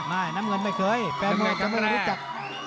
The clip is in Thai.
ไม่น้ำเงินไม่เคยแฟนว่าจะรู้จัก